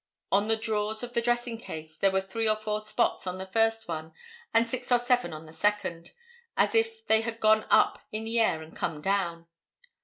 On the drawers of the dressing case there were three or four spots on the first one and six or seven on the second, as if they had gone up in the air and come down.